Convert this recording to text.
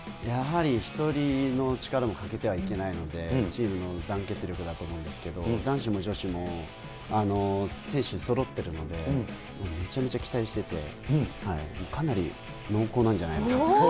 やはり一人の力も欠けてはいけないので、チームの団結力だと思うんですけれども、男子も女子も選手そろってるので、めちゃめちゃ期待してて、かなり濃厚なんじゃないかと。